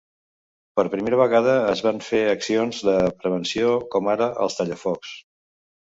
Per primera vegada es van fer accions de prevenció com ara els tallafocs.